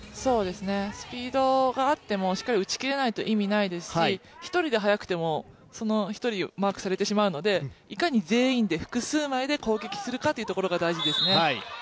スピードがあってもしっかり打ち切れないと意味ないですし１人で速くても、その１人をマークされてしまうのでいかに全員で複数枚で攻撃するかが大事ですね。